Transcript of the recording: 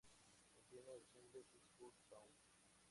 Contiene el single "Pittsburgh Sound".